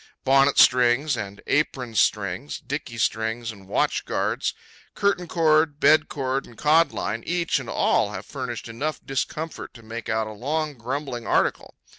Bonnet strings and apron strings, dickey strings and watch guards, curtain cord, bed cord, and cod line, each and all have furnished enough discomfort to make out a long grumbling article.